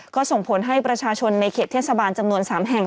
ก็ส่งผลให้ประชาชนในเขตเทศบาลจำนวน๓แห่ง